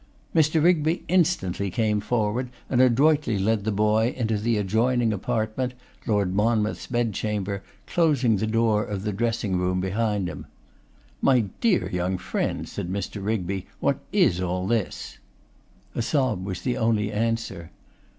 Mr. Rigby instantly came forward and adroitly led the boy into the adjoining apartment, Lord Monmouth's bedchamber, closing the door of the dressing room behind him. 'My dear young friend,' said Mr. Rigby, 'what is all this?' A sob the only answer.